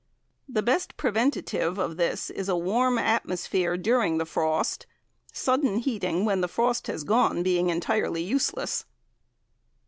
The best preventative of this is a warm atmosphere during the frost, sudden heating when the frost has gone being useless.